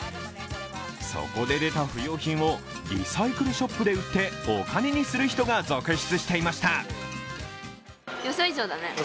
そこで出た不用品をリサイクルショップで売ってお金にする人が続出していました。